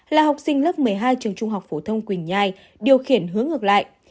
là học sinh lớp một mươi hai trường trung học phổ thông quỳnh nhai điều khiển hướng ngược lại